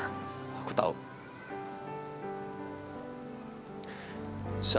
insya allah kami semua kuat yang ada disini